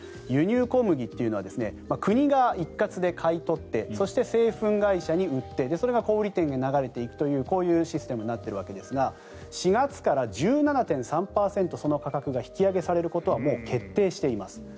輸入小麦というのは国が一括で買い取ってそして製粉会社に売ってそれが小売店に流れていくというこういうシステムになっているわけですが４月から１７．３％その価格が引き上げされることはもう決定しています。